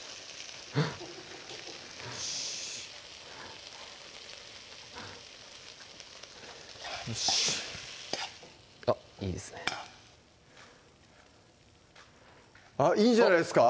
よしよしいいですねいいんじゃないですか？